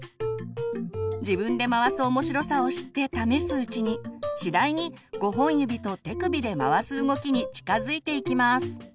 自分で回す面白さを知って試すうちに次第に５本指と手首で回す動きに近づいていきます。